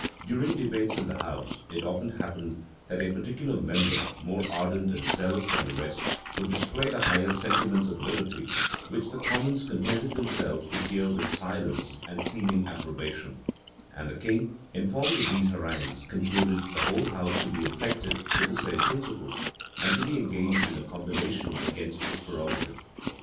During debates in the house, it often happened that a particular member, more ardent and zealous than the rest, would display the highest sentiments of liberty, which the commons contented themselves to hear with silence and seeming approbation; and the king, informed of these harangues, concluded the whole house to be infected with the same principles, and to be engaged in a combination against his prerogative.